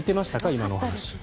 今のお話。